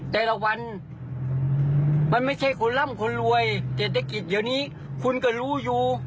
แต่ละวันมันไม่ใช่คนร่ำคนรวยเศรษฐกิจเดี๋ยวนี้คุณก็รู้อยู่